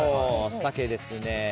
鮭ですね。